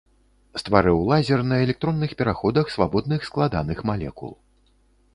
Стварыў лазер на электронных пераходах свабодных складаных малекул.